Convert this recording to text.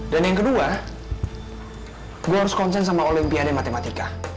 dan yang kedua gue harus konsen sama olimpiade matematika